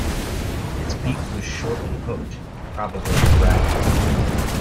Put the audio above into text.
Its beak was short and hooked – probably a raptor.